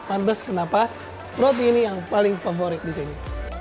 lantas kenapa roti ini yang paling favorit di sini